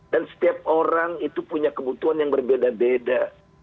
dan setiap orang itu punya kebutuhan yang berbeda beda